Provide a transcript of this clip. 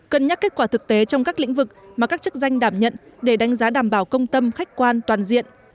cân nhắc kết quả thực tế trong các lĩnh vực mà các chức danh đảm nhận để đánh giá đảm bảo công tâm khách quan toàn diện